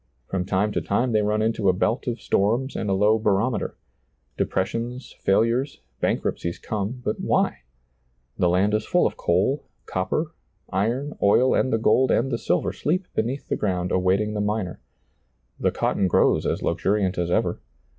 From time to time they run into a belt of storms and a low barometer ; depressions, fail ures, bankruptcies come ; but why ? The land is full of coal, copper, iron, oil, and the gold and the silver sleep beneath the ground awaiting the miner ; the cotton grows as luxuriant as ever.